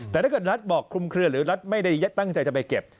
แต่ถ้าเกิดรัฐบอกคลุมเคลือหรือรัฐไม่ได้ตั้งใจจะไปเก็บ